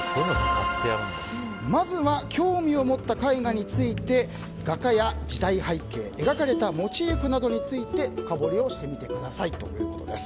まずは興味を持った絵画について画家や時代背景描かれたモチーフなどについて深掘りをしてみてくださいということです。